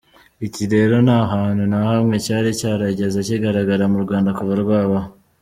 Iki rero nta hantu na hamwe cyari cyarigeze kigaragara mu Rwanda kuva rwabaho!